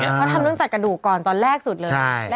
เขาทำเรื่องจากกระดูกก่อนตอนแรกสุดเลย